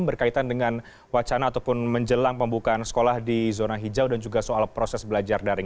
berkaitan dengan wacana ataupun menjelang pembukaan sekolah di zona hijau dan juga soal proses belajar daring